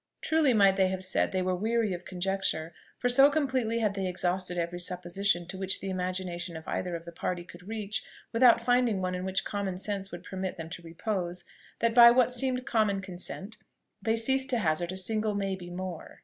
Truly might they have said they were weary of conjecture; for so completely had they exhausted every supposition to which the imagination of either of the party could reach, without finding one on which common sense would permit them to repose, that, by what seemed common consent, they ceased to hazard a single "may be" more.